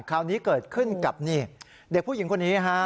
คราวนี้เกิดขึ้นกับนี่เด็กผู้หญิงคนนี้ฮะ